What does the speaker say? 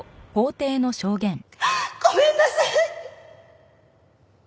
ごめんなさい！